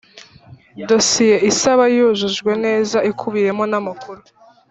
Dosiye isaba yujujwe neza ikubiyemo n amakuru